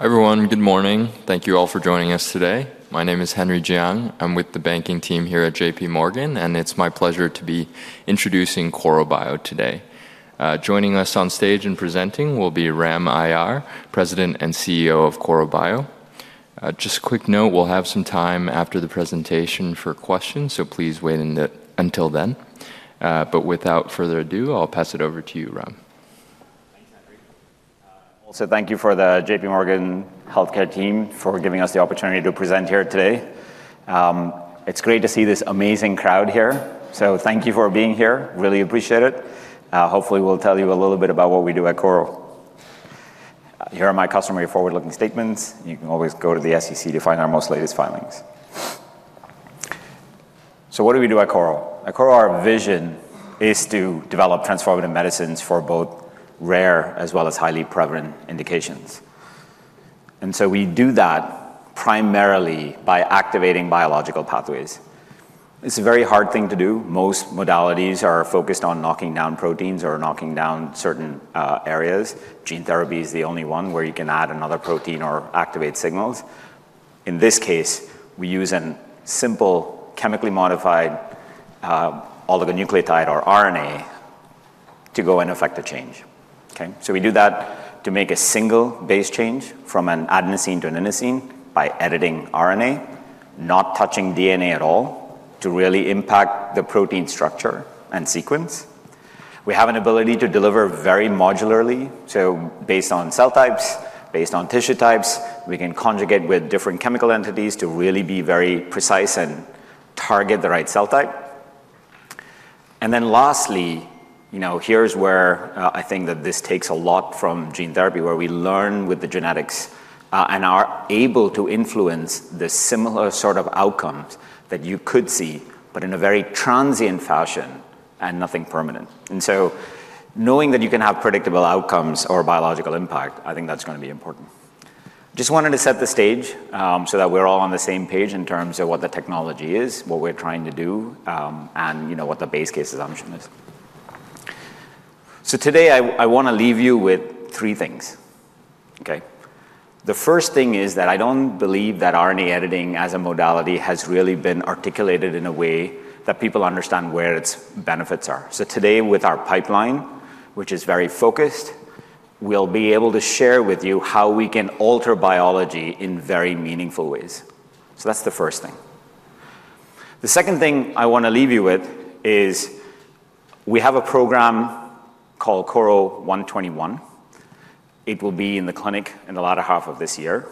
Hi everyone, good morning. Thank you all for joining us today. My name is Henry Jiang. I'm with the banking team here at JP Morgan, and it's my pleasure to be introducing Korro Bio today. Joining us on stage and presenting will be Ram Aiyar, President and CEO of Korro Bio. Just a quick note, we'll have some time after the presentation for questions, so please wait until then. But without further ado, I'll pass it over to you, Ram. Thanks, Henry. Also, thank you for the JP Morgan healthcare team for giving us the opportunity to present here today. It's great to see this amazing crowd here, so thank you for being here. Really appreciate it. Hopefully, we'll tell you a little bit about what we do at Korro. Here are my customary forward-looking statements. You can always go to the SEC to find our most recent filings. So what do we do at Korro? At Korro, our vision is to develop transformative medicines for both rare as well as highly prevalent indications. And so we do that primarily by activating biological pathways. It's a very hard thing to do. Most modalities are focused on knocking down proteins or knocking down certain areas. Gene therapy is the only one where you can add another protein or activate signals. In this case, we use a simple chemically modified oligonucleotide or RNA to go and affect the change. So we do that to make a single base change from an adenosine to an inosine by editing RNA, not touching DNA at all, to really impact the protein structure and sequence. We have an ability to deliver very modularly, so based on cell types, based on tissue types, we can conjugate with different chemical entities to really be very precise and target the right cell type. And then lastly, here's where I think that this takes a lot from gene therapy, where we learn with the genetics and are able to influence the similar sort of outcomes that you could see, but in a very transient fashion and nothing permanent. And so knowing that you can have predictable outcomes or biological impact, I think that's going to be important. Just wanted to set the stage so that we're all on the same page in terms of what the technology is, what we're trying to do, and what the base case assumption is. So today, I want to leave you with three things. The first thing is that I don't believe that RNA editing as a modality has really been articulated in a way that people understand where its benefits are. So today, with our pipeline, which is very focused, we'll be able to share with you how we can alter biology in very meaningful ways. So that's the first thing. The second thing I want to leave you with is we have a program called Korro 121. It will be in the clinic in the latter half of this year.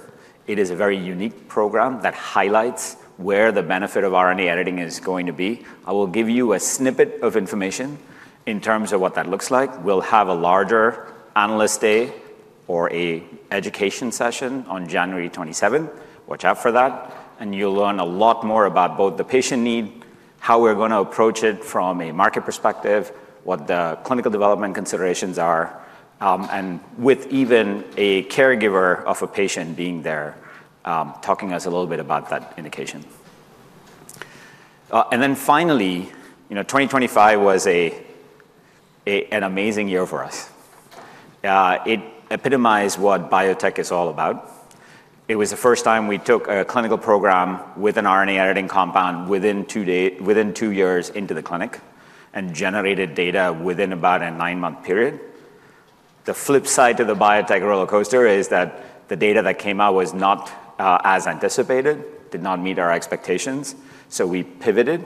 It is a very unique program that highlights where the benefit of RNA editing is going to be. I will give you a snippet of information in terms of what that looks like. We'll have a larger analyst day or an education session on January 27. Watch out for that, and you'll learn a lot more about both the patient need, how we're going to approach it from a market perspective, what the clinical development considerations are, and with even a caregiver of a patient being there, talking to us a little bit about that indication, and then finally, 2025 was an amazing year for us. It epitomized what biotech is all about. It was the first time we took a clinical program with an RNA editing compound within two years into the clinic and generated data within about a nine-month period. The flip side to the biotech roller coaster is that the data that came out was not as anticipated, did not meet our expectations, so we pivoted,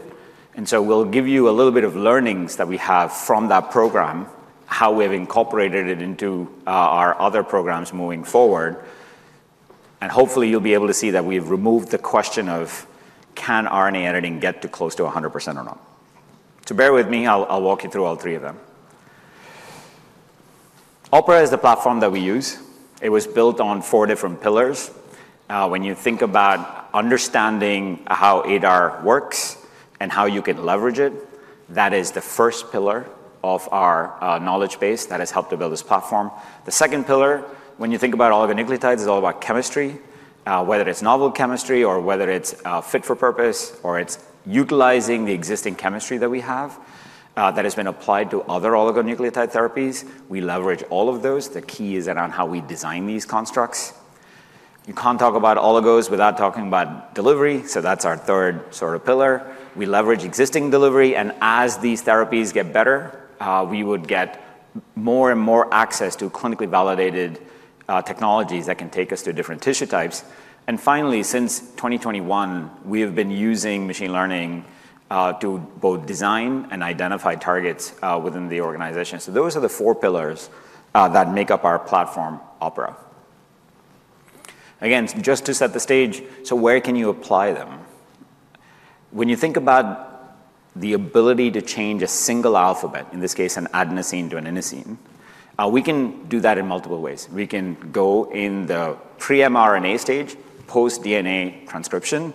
and so we'll give you a little bit of learnings that we have from that program, how we have incorporated it into our other programs moving forward. And hopefully, you'll be able to see that we've removed the question of, can RNA editing get to close to 100% or not, so bear with me, I'll walk you through all three of them. OPERA is the platform that we use. It was built on four different pillars. When you think about understanding how ADAR works and how you can leverage it, that is the first pillar of our knowledge base that has helped to build this platform. The second pillar, when you think about oligonucleotides, it's all about chemistry, whether it's novel chemistry or whether it's fit for purpose or it's utilizing the existing chemistry that we have that has been applied to other oligonucleotide therapies. We leverage all of those. The key is around how we design these constructs. You can't talk about all of those without talking about delivery, so that's our third sort of pillar. We leverage existing delivery. And as these therapies get better, we would get more and more access to clinically validated technologies that can take us to different tissue types. And finally, since 2021, we have been using machine learning to both design and identify targets within the organization. So those are the four pillars that make up our platform, Opera. Again, just to set the stage, so where can you apply them? When you think about the ability to change a single alphabet, in this case, an adenosine to an inosine, we can do that in multiple ways. We can go in the pre-mRNA stage, post-DNA transcription,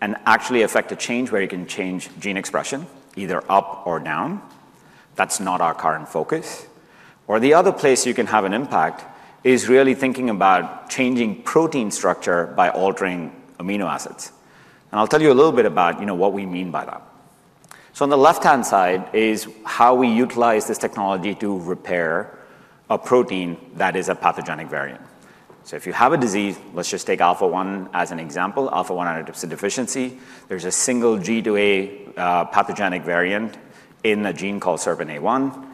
and actually affect a change where you can change gene expression, either up or down. That's not our current focus. Or the other place you can have an impact is really thinking about changing protein structure by altering amino acids. And I'll tell you a little bit about what we mean by that. So on the left-hand side is how we utilize this technology to repair a protein that is a pathogenic variant. So if you have a disease, let's just take Alpha-1 as an example, Alpha-1 antitrypsin deficiency. There's a single G to A pathogenic variant in a gene called SERPINA1.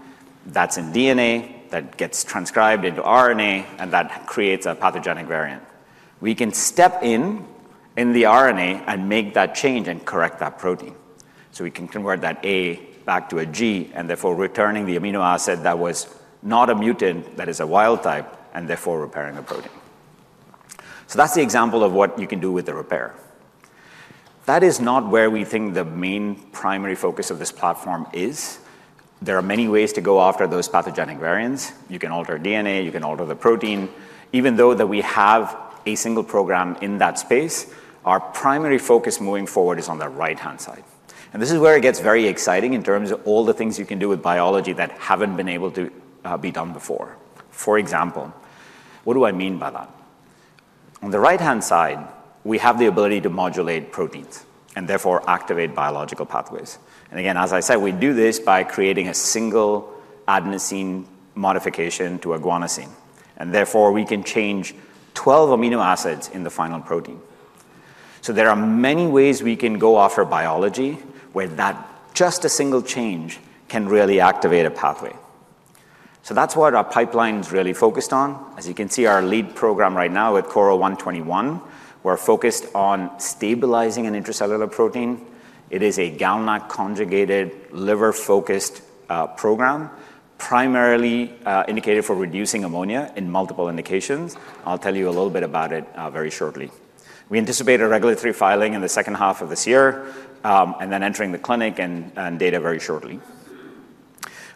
That's in DNA that gets transcribed into RNA, and that creates a pathogenic variant. We can step in the RNA and make that change and correct that protein. So we can convert that A back to a G, and therefore returning the amino acid that was not a mutant, that is a wild type, and therefore repairing a protein. So that's the example of what you can do with the repair. That is not where we think the main primary focus of this platform is. There are many ways to go after those pathogenic variants. You can alter DNA. You can alter the protein. Even though we have a single program in that space, our primary focus moving forward is on the right-hand side. This is where it gets very exciting in terms of all the things you can do with biology that haven't been able to be done before. For example, what do I mean by that? On the right-hand side, we have the ability to modulate proteins and therefore activate biological pathways. And again, as I said, we do this by creating a single adenosine modification to a guanosine. And therefore, we can change 12 amino acids in the final protein. So there are many ways we can go after biology where just a single change can really activate a pathway. So that's what our pipeline is really focused on. As you can see, our lead program right now with Korro 121, we're focused on stabilizing an intracellular protein. It is a Gal-conjugated liver-focused program, primarily indicated for reducing ammonia in multiple indications. I'll tell you a little bit about it very shortly. We anticipate a regulatory filing in the second half of this year and then entering the clinic and data very shortly.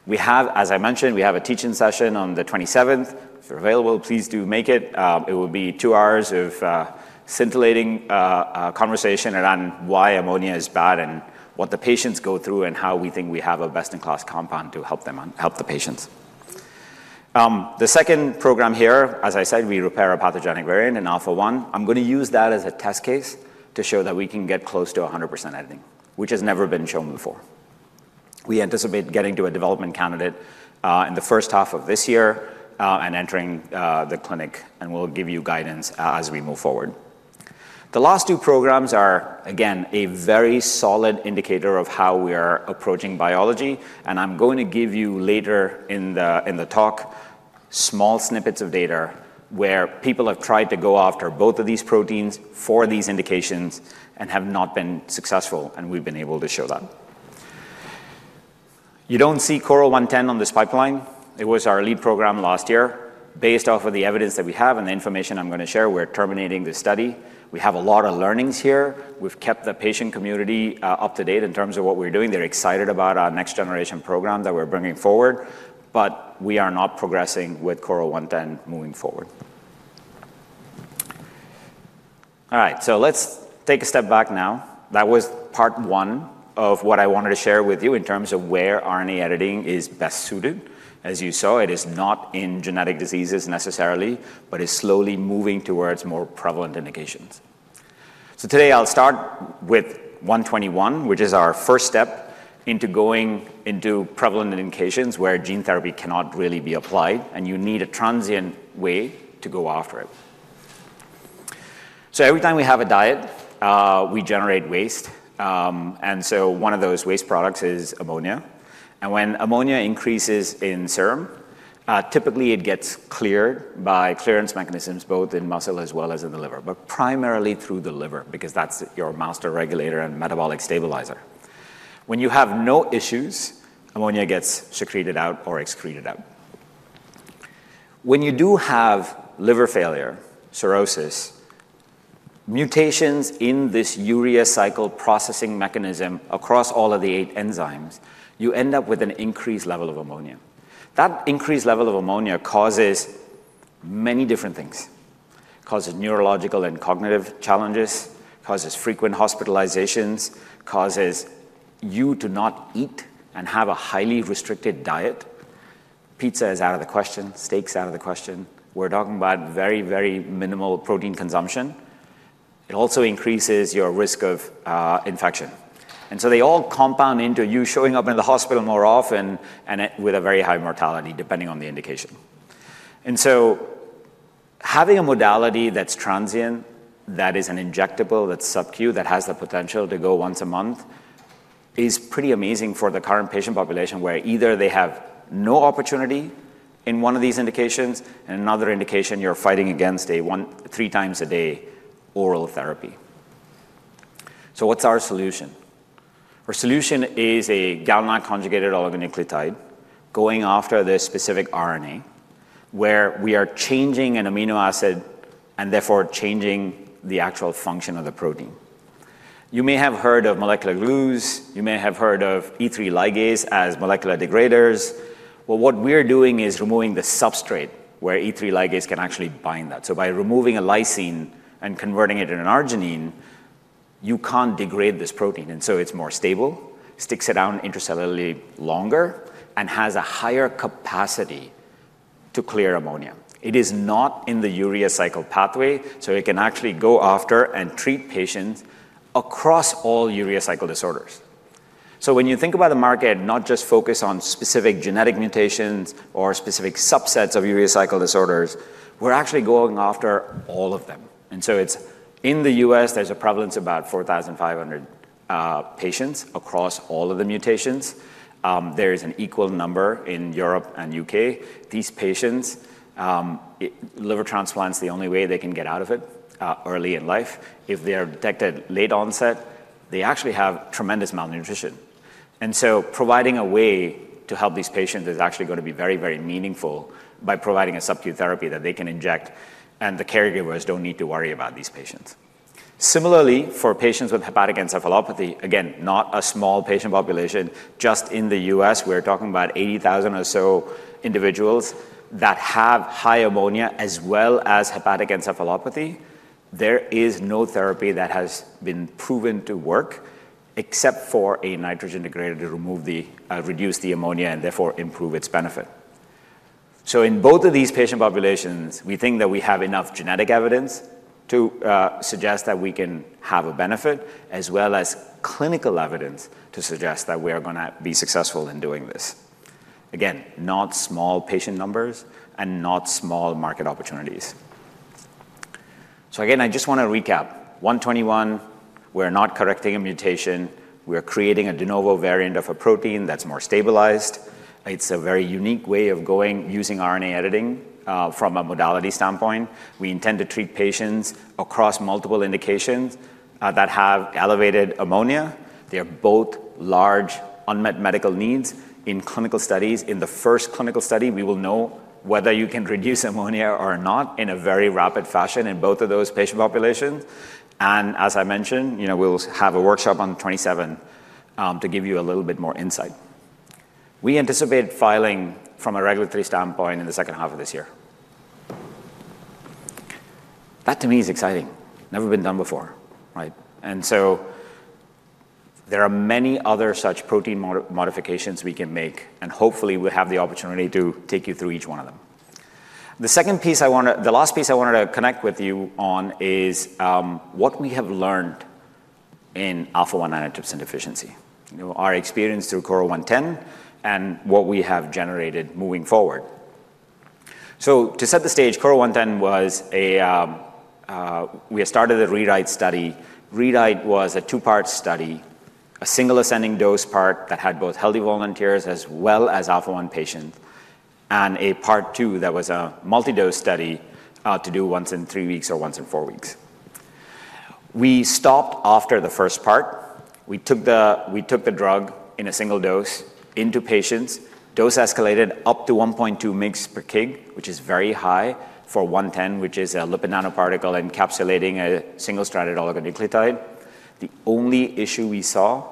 As I mentioned, we have a teaching session on the 27th. If you're available, please do make it. It will be two hours of scintillating conversation around why ammonia is bad and what the patients go through and how we think we have a best-in-class compound to help the patients. The second program here, as I said, we repair a pathogenic variant in Alpha-1. I'm going to use that as a test case to show that we can get close to 100% editing, which has never been shown before. We anticipate getting to a development candidate in the first half of this year and entering the clinic, and we'll give you guidance as we move forward. The last two programs are, again, a very solid indicator of how we are approaching biology. And I'm going to give you later in the talk small snippets of data where people have tried to go after both of these proteins for these indications and have not been successful, and we've been able to show that. You don't see Korro 110 on this pipeline. It was our lead program last year. Based off of the evidence that we have and the information I'm going to share, we're terminating the study. We have a lot of learnings here. We've kept the patient community up to date in terms of what we're doing. They're excited about our next-generation program that we're bringing forward, but we are not progressing with Korro 110 moving forward. All right, so let's take a step back now. That was part one of what I wanted to share with you in terms of where RNA editing is best suited. As you saw, it is not in genetic diseases necessarily, but it's slowly moving towards more prevalent indications. So today, I'll start with 121, which is our first step into going into prevalent indications where gene therapy cannot really be applied, and you need a transient way to go after it. So every time we eat, we generate waste. And so one of those waste products is ammonia. And when ammonia increases in serum, typically, it gets cleared by clearance mechanisms both in muscle as well as in the liver, but primarily through the liver because that's your master regulator and metabolic stabilizer. When you have no issues, ammonia gets secreted out or excreted out. When you do have liver failure, cirrhosis, mutations in this urea cycle processing mechanism across all of the eight enzymes, you end up with an increased level of ammonia. That increased level of ammonia causes many different things. It causes neurological and cognitive challenges, causes frequent hospitalizations, causes you to not eat and have a highly restricted diet. Pizza is out of the question. Steak's out of the question. We're talking about very, very minimal protein consumption. It also increases your risk of infection, and so they all compound into you showing up in the hospital more often and with a very high mortality, depending on the indication. And so having a modality that's transient, that is an injectable that's subcu that has the potential to go once a month, is pretty amazing for the current patient population where either they have no opportunity in one of these indications, and in another indication, you're fighting against a three-times-a-day oral therapy. So what's our solution? Our solution is a Gal-conjugated oligonucleotide going after the specific RNA where we are changing an amino acid and therefore changing the actual function of the protein. You may have heard of molecular glues. You may have heard of E3 ligase as molecular degraders. Well, what we're doing is removing the substrate where E3 ligase can actually bind that. So by removing a lysine and converting it in an arginine, you can't degrade this protein. And so it's more stable, sticks it out intracellularly longer, and has a higher capacity to clear ammonia. It is not in the urea cycle pathway, so it can actually go after and treat patients across all urea cycle disorders, so when you think about the market, not just focus on specific genetic mutations or specific subsets of urea cycle disorders, we're actually going after all of them, and so in the U.S., there's a prevalence of about 4,500 patients across all of the mutations. There is an equal number in Europe and the U.K. These patients, liver transplants, the only way they can get out of it early in life. If they are detected late onset, they actually have tremendous malnutrition, and so providing a way to help these patients is actually going to be very, very meaningful by providing a subcu therapy that they can inject, and the caregivers don't need to worry about these patients. Similarly, for patients with hepatic encephalopathy, again, not a small patient population. Just in the U.S., we're talking about 80,000 or so individuals that have high ammonia as well as hepatic encephalopathy. There is no therapy that has been proven to work except for a nitrogen scavenger to reduce the ammonia and therefore improve its benefit. So in both of these patient populations, we think that we have enough genetic evidence to suggest that we can have a benefit as well as clinical evidence to suggest that we are going to be successful in doing this. Again, not small patient numbers and not small market opportunities. So again, I just want to recap. 121, we're not correcting a mutation. We're creating a de novo variant of a protein that's more stabilized. It's a very unique way of using RNA editing from a modality standpoint. We intend to treat patients across multiple indications that have elevated ammonia. They are both large unmet medical needs. In clinical studies, in the first clinical study, we will know whether you can reduce ammonia or not in a very rapid fashion in both of those patient populations, and as I mentioned, we'll have a workshop on the 27th to give you a little bit more insight. We anticipate filing from a regulatory standpoint in the second half of this year. That, to me, is exciting, never been done before, and so there are many other such protein modifications we can make, and hopefully, we'll have the opportunity to take you through each one of them. The last piece I wanted to connect with you on is what we have learned in Alpha-1 antitrypsin deficiency, our experience through Korro 110, and what we have generated moving forward. To set the stage, Korro 110, we started a REWRITE study. RERITE was a two-part study, a single ascending dose part that had both healthy volunteers as well as Alpha-1 patients, and a part two that was a multi-dose study to do once in three weeks or once in four weeks. We stopped after the first part. We took the drug in a single dose into patients. Dose escalated up to 1.2 mg per kg, which is very high for 110, which is a lipid nanoparticle encapsulating a single-stranded oligonucleotide. The only issue we saw,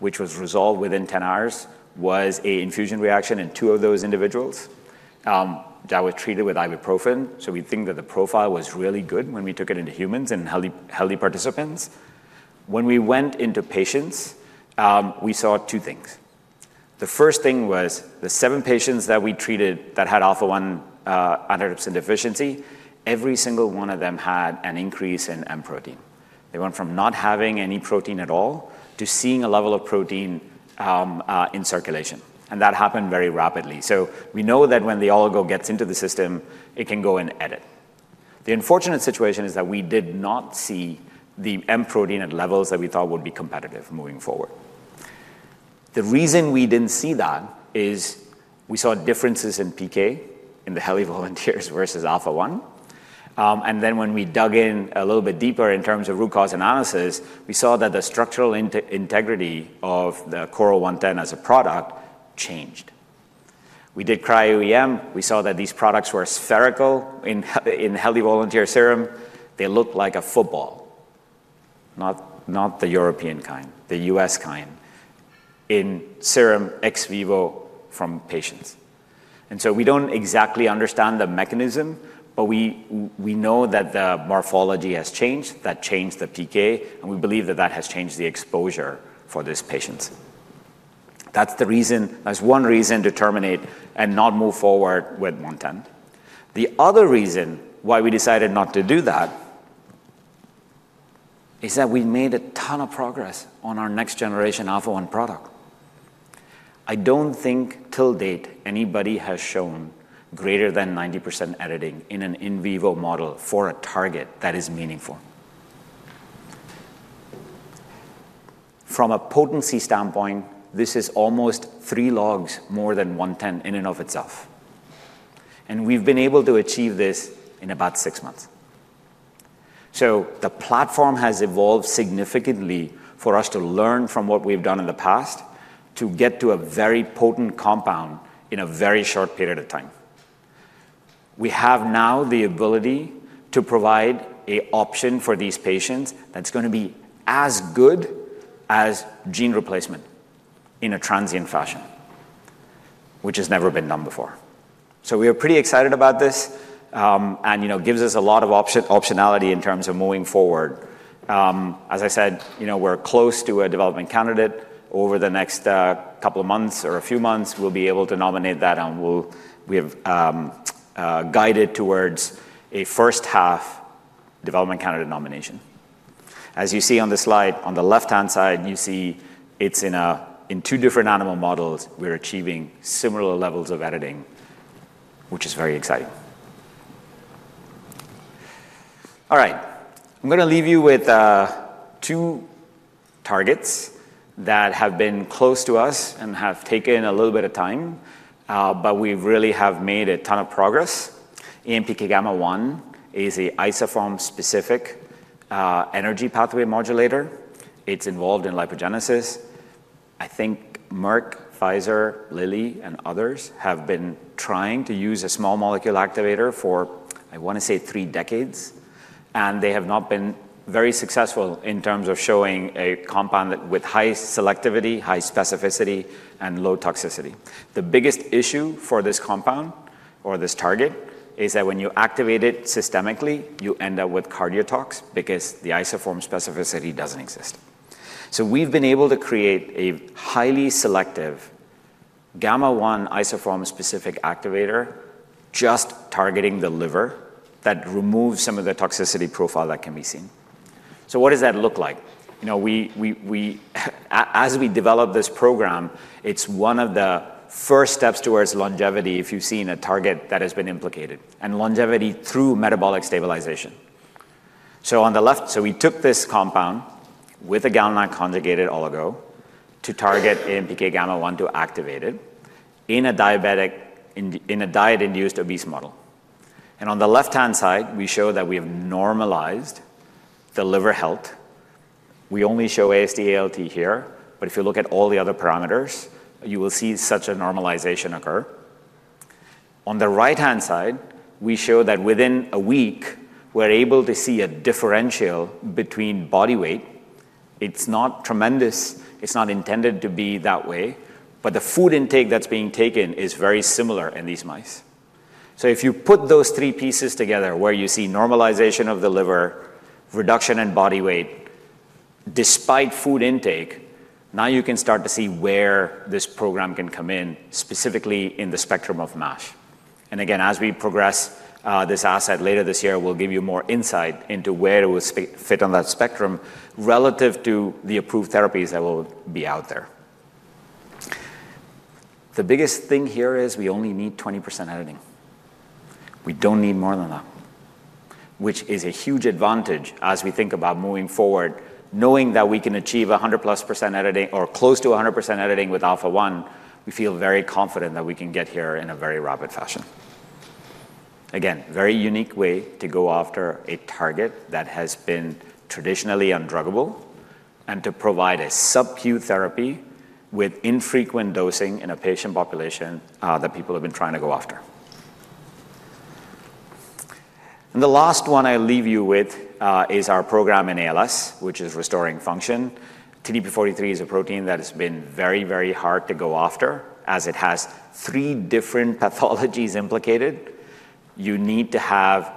which was resolved within 10 hours, was an infusion reaction in two of those individuals that were treated with ibuprofen. We think that the profile was really good when we took it into humans and healthy participants. When we went into patients, we saw two things. The first thing was the seven patients that we treated that had Alpha-1 antitrypsin deficiency. Every single one of them had an increase in M protein. They went from not having any protein at all to seeing a level of protein in circulation, and that happened very rapidly, so we know that when the oligo gets into the system, it can go and edit. The unfortunate situation is that we did not see the M protein at levels that we thought would be competitive moving forward. The reason we didn't see that is we saw differences in pK in the healthy volunteers versus Alpha-1, and then when we dug in a little bit deeper in terms of root cause analysis, we saw that the structural integrity of the Korro 110 as a product changed. We did Cryo-EM. We saw that these products were spherical in healthy volunteer serum. They looked like a football, not the European kind, the U.S. kind, in serum ex vivo from patients. And so we don't exactly understand the mechanism, but we know that the morphology has changed that changed the pK, and we believe that that has changed the exposure for these patients. That's one reason to terminate and not move forward with 110. The other reason why we decided not to do that is that we made a ton of progress on our next-generation Alpha-1 product. I don't think till date anybody has shown greater than 90% editing in an in vivo model for a target that is meaningful. From a potency standpoint, this is almost three logs more than 110 in and of itself. And we've been able to achieve this in about six months. So the platform has evolved significantly for us to learn from what we've done in the past to get to a very potent compound in a very short period of time. We have now the ability to provide an option for these patients that's going to be as good as gene replacement in a transient fashion, which has never been done before. So we are pretty excited about this, and it gives us a lot of optionality in terms of moving forward. As I said, we're close to a development candidate. Over the next couple of months or a few months, we'll be able to nominate that, and we have guided towards a first-half development candidate nomination. As you see on the slide, on the left-hand side, you see it's in two different animal models. We're achieving similar levels of editing, which is very exciting. All right, I'm going to leave you with two targets that have been close to us and have taken a little bit of time, but we really have made a ton of progress. AMPK gamma-1 is an isoform-specific energy pathway modulator. It's involved in lipogenesis. I think Merck, Pfizer, Lilly, and others have been trying to use a small molecule activator for, I want to say, three decades, and they have not been very successful in terms of showing a compound with high selectivity, high specificity, and low toxicity. The biggest issue for this compound or this target is that when you activate it systemically, you end up with cardiotox because the isoform specificity doesn't exist. So we've been able to create a highly selective gamma-1 isoform-specific activator just targeting the liver that removes some of the toxicity profile that can be seen. So what does that look like? As we develop this program, it's one of the first steps towards longevity. If you've seen a target that has been implicated in longevity through metabolic stabilization. So on the left, we took this compound with a Gal-conjugated oligo to target AMPK gamma-1 to activate it in a diet-induced obese model. On the left-hand side, we show that we have normalized the liver health. We only show AST-ALT here, but if you look at all the other parameters, you will see such a normalization occur. On the right-hand side, we show that within a week, we're able to see a differential between body weight. It's not tremendous. It's not intended to be that way, but the food intake that's being taken is very similar in these mice. So if you put those three pieces together where you see normalization of the liver, reduction in body weight despite food intake, now you can start to see where this program can come in specifically in the spectrum of MASH. And again, as we progress this asset later this year, we'll give you more insight into where it will fit on that spectrum relative to the approved therapies that will be out there. The biggest thing here is we only need 20% editing. We don't need more than that, which is a huge advantage as we think about moving forward. Knowing that we can achieve 100+% editing or close to 100% editing with Alpha-1, we feel very confident that we can get here in a very rapid fashion. Again, very unique way to go after a target that has been traditionally undruggable and to provide a subcu therapy with infrequent dosing in a patient population that people have been trying to go after. And the last one I'll leave you with is our program in ALS, which is restoring function. TDP-43 is a protein that has been very, very hard to go after as it has three different pathologies implicated. You need to have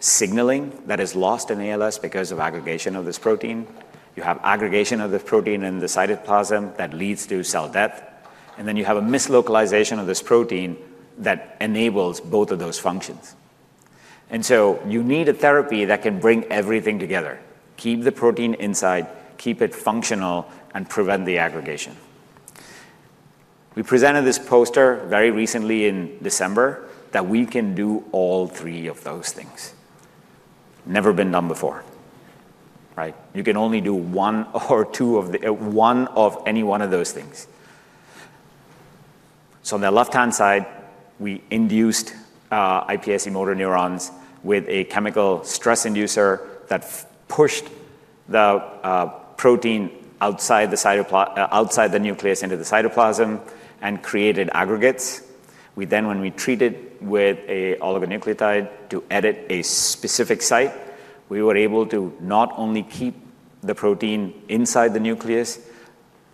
signaling that is lost in ALS because of aggregation of this protein. You have aggregation of this protein in the cytoplasm that leads to cell death. And then you have a mislocalization of this protein that enables both of those functions. And so you need a therapy that can bring everything together, keep the protein inside, keep it functional, and prevent the aggregation. We presented this poster very recently in December that we can do all three of those things. Never been done before. You can only do one or two of any one of those things. So on the left-hand side, we induced iPSC motor neurons with a chemical stress inducer that pushed the protein outside the nucleus into the cytoplasm and created aggregates. We then, when we treated with an oligonucleotide to edit a specific site, we were able to not only keep the protein inside the nucleus,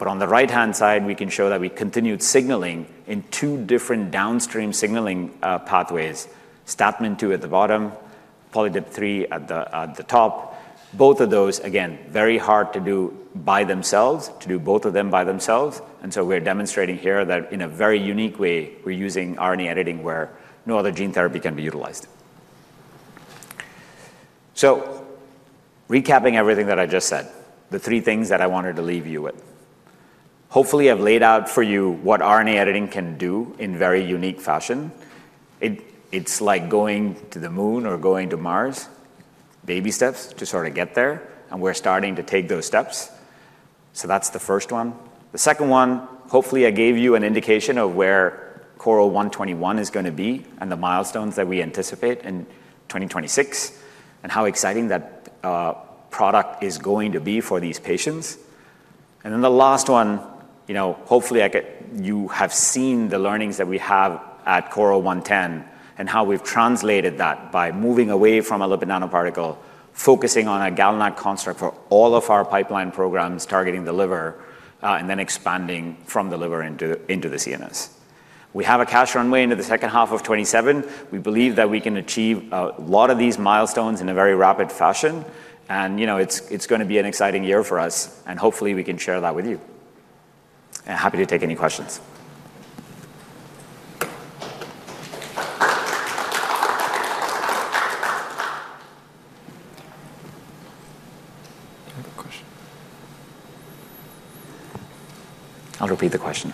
but on the right-hand side, we can show that we continued signaling in two different downstream signaling pathways, Stathmin-2 at the bottom, POLDIP3 at the top. Both of those, again, very hard to do by themselves, to do both of them by themselves. And so we're demonstrating here that in a very unique way, we're using RNA editing where no other gene therapy can be utilized. So recapping everything that I just said, the three things that I wanted to leave you with. Hopefully, I've laid out for you what RNA editing can do in very unique fashion. It's like going to the moon or going to Mars, baby steps to sort of get there, and we're starting to take those steps. So that's the first one. The second one, hopefully, I gave you an indication of where Korro 121 is going to be and the milestones that we anticipate in 2026 and how exciting that product is going to be for these patients. Then the last one, hopefully, you have seen the learnings that we have at Korro 110 and how we've translated that by moving away from a lipid nanoparticle, focusing on a gal-construct for all of our pipeline programs targeting the liver, and then expanding from the liver into the CNS. We have a cash runway into the second half of 2027. We believe that we can achieve a lot of these milestones in a very rapid fashion. And it's going to be an exciting year for us, and hopefully, we can share that with you. And happy to take any questions. I'll repeat the question.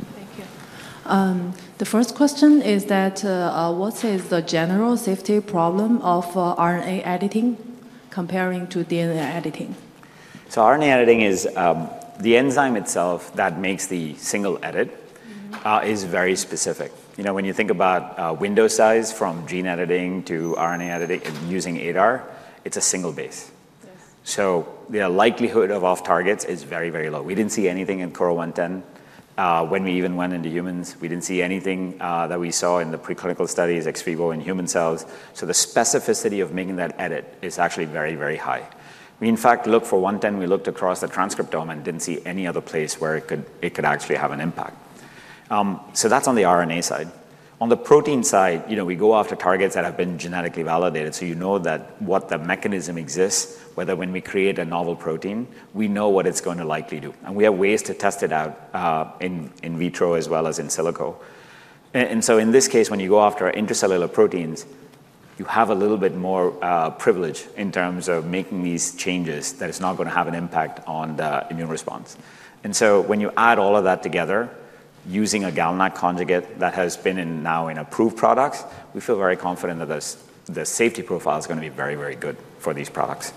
Thank you. The first question is that what is the general safety problem of RNA editing comparing to DNA editing? So RNA editing is the enzyme itself that makes the single edit is very specific. When you think about window size from gene editing to RNA editing using ADAR, it's a single base. So the likelihood of off-targets is very, very low. We didn't see anything in Korro 110. When we even went into humans, we didn't see anything that we saw in the preclinical studies, ex vivo in human cells. So the specificity of making that edit is actually very, very high. We, in fact, looked for 110. We looked across the transcriptome and didn't see any other place where it could actually have an impact. So that's on the RNA side. On the protein side, we go after targets that have been genetically validated. So you know that what the mechanism exists, whether when we create a novel protein, we know what it's going to likely do. And we have ways to test it out in vitro as well as in silico. And so in this case, when you go after intracellular proteins, you have a little bit more privilege in terms of making these changes that are not going to have an impact on the immune response. And so when you add all of that together using a Gal-conjugate that has been now in approved products, we feel very confident that the safety profile is going to be very, very good for these products.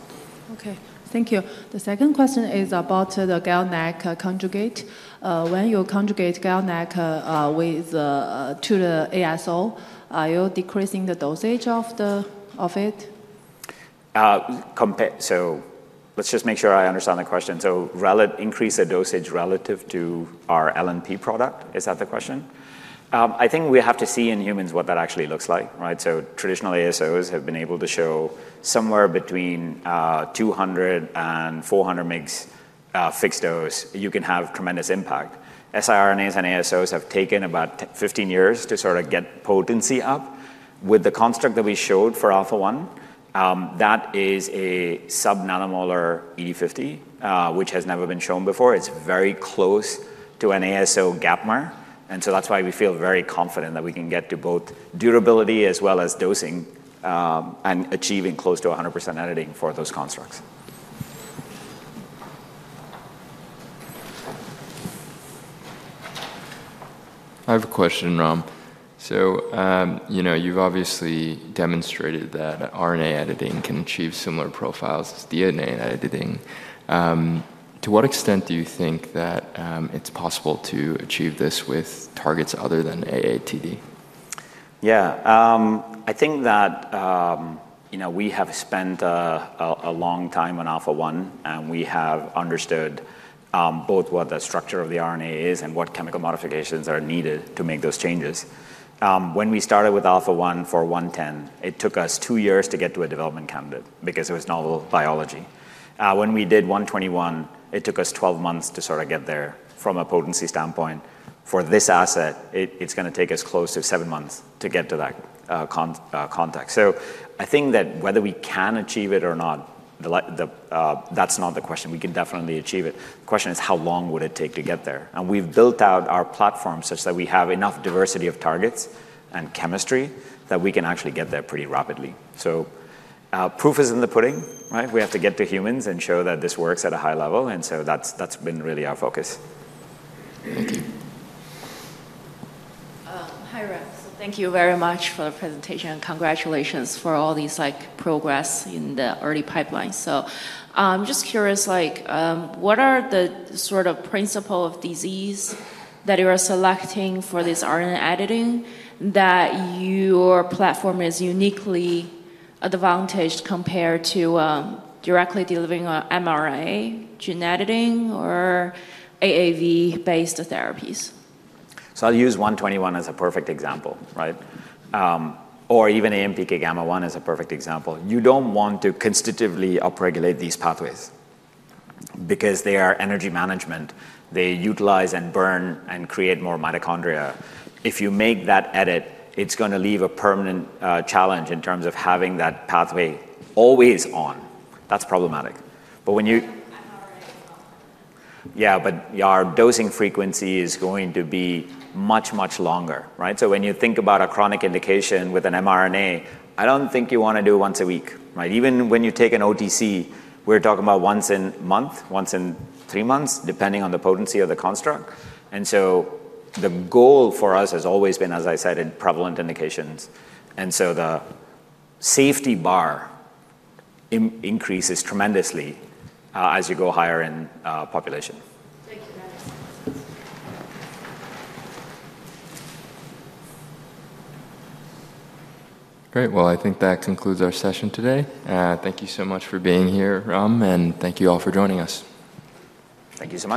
Okay, thank you. The second question is about the Gal-conjugate. When you conjugate Gal-conjugate with the ASO, are you decreasing the dosage of it? Let's just make sure I understand the question. Increase the dosage relative to our LNP product? Is that the question? I think we have to see in humans what that actually looks like. Traditional ASOs have been able to show somewhere between 200 and 400 mg fixed dose. You can have tremendous impact. SiRNAs and ASOs have taken about 15 years to sort of get potency up. With the construct that we showed for Alpha-1, that is a sub-nanomolar EC50, which has never been shown before. It's very close to an ASO benchmark. That's why we feel very confident that we can get to both durability as well as dosing and achieving close to 100% editing for those constructs. I have a question, Ram. So you've obviously demonstrated that RNA editing can achieve similar profiles as DNA editing. To what extent do you think that it's possible to achieve this with targets other than AATD? Yeah, I think that we have spent a long time on Alpha-1, and we have understood both what the structure of the RNA is and what chemical modifications are needed to make those changes. When we started with Alpha-1 for 110, it took us two years to get to a development candidate because it was novel biology. When we did 121, it took us 12 months to sort of get there from a potency standpoint. For this asset, it's going to take us close to seven months to get to that context. So I think that whether we can achieve it or not, that's not the question. We can definitely achieve it. The question is how long would it take to get there? And we've built out our platform such that we have enough diversity of targets and chemistry that we can actually get there pretty rapidly. So proof is in the pudding. We have to get to humans and show that this works at a high level. And so that's been really our focus. Thank you. Hi, Ram. So thank you very much for the presentation and congratulations for all this progress in the early pipeline. So I'm just curious, what are the sort of principles of disease that you are selecting for this RNA editing that your platform is uniquely advantaged compared to directly delivering an mRNA gene editing or AAV-based therapies? I'll use 121 as a perfect example, or even AMPK gamma-1 as a perfect example. You don't want to constitutively upregulate these pathways because they are energy management. They utilize and burn and create more mitochondria. If you make that edit, it's going to leave a permanent challenge in terms of having that pathway always on. That's problematic. But when you... mRNA is not permanent. Yeah, but our dosing frequency is going to be much, much longer. So when you think about a chronic indication with an mRNA, I don't think you want to do once a week. Even when you take an OTC, we're talking about once a month, once in three months, depending on the potency of the construct. And so the goal for us has always been, as I said, in prevalent indications. And so the safety bar increases tremendously as you go higher in population. Thank you very much. Great. Well, I think that concludes our session today. Thank you so much for being here, Ram, and thank you all for joining us. Thank you.